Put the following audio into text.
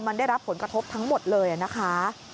มันได้รับผลกระทบทั้งหมดเลยนะคะ